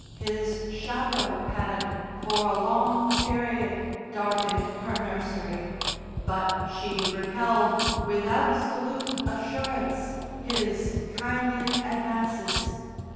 His shadow had, for a long period, darkened her nursery, but she repelled, with absolute assurance, His kindly advances.